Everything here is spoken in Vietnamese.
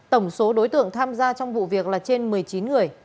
tổng số đối tượng tham gia trong vụ việc là trên một mươi chín người